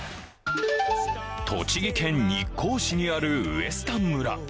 栃木県日光市にあるウェスタン村